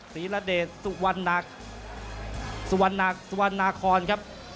ศรีระเดชสุวรรณาคลนะครับ